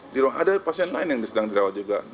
di ruang ada pasien lain yang sedang dirawat juga